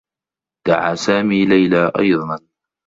دعى سامي ليلى أيضا.